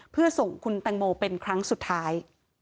เพื่อส่งคุณแตงโมเป็นครั้งสุดท้าย